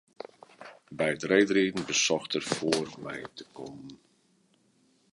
By it reedriden besocht er foar my te kommen.